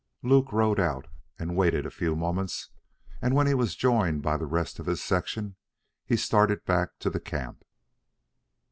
Luke rode out and waited a few moments, and when joined by the rest of his section, started back to the camp.